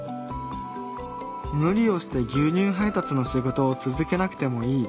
無理をして牛乳配達の仕事を続けなくてもいい。